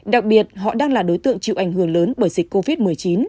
đặc biệt họ đang là đối tượng chịu ảnh hưởng lớn bởi dịch covid một mươi chín